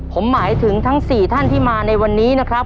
ผมหมายถึงทั้ง๔ท่านที่มาในวันนี้นะครับ